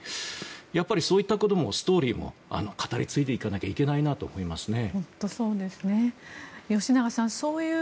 やっぱりそういったストーリーも語り継いでいかないといけないなと思いますね。